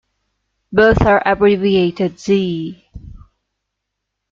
Both are abbreviated Z.